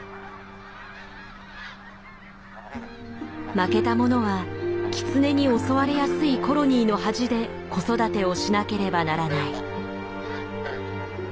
負けたものはキツネに襲われやすいコロニーの端で子育てをしなければならない。